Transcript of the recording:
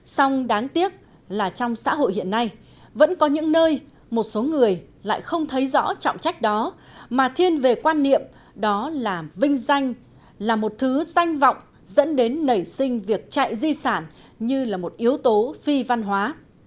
xong đáng tiếc là trong xã hội hiện nay vẫn có những nơi một số người lại không thấy rõ trọng trách đó mà thiên về quan niệm đó là vinh danh là một thứ danh vọng dẫn đến nảy sinh việc chạy di sản như là một yếu tố phi văn hóa